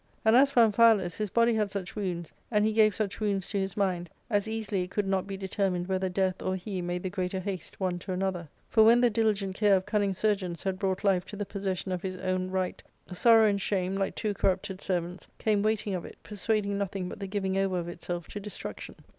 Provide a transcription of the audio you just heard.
And as for Amphialus, his body had such wounds, and he gave such wounds to his mind, as easily it could not be determined whether death or he made the greater haste one to another ; for when the diligent care of cunning chirurgeons had brought life to the possession of his own right, sorrow and shame, like two cor rupted servants, came waiting of it, persuading nothing but the giving over of itself to destruction.